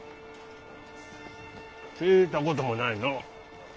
聞いたこともないのう。